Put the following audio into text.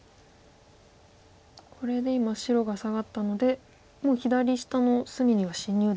これで今白がサガったのでもう左下の隅には侵入できなくなりましたか。